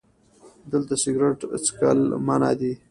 🚭 دلته سګرټ څکل منع دي